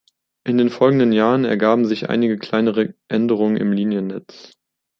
In den folgenden Jahren ergaben sich einige kleinere Änderungen im Liniennetz.